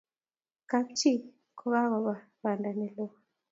kab chi ko kakoba banda ne loo